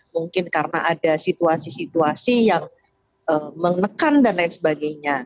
mungkin karena ada situasi situasi yang menekan dan lain sebagainya